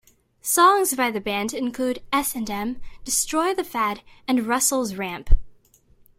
Songs by the band include "S and M", "Destroy The Fad" and "Russell's Ramp".